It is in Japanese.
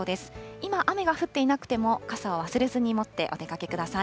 今、雨が降っていなくても、傘を忘れずに持ってお出かけください。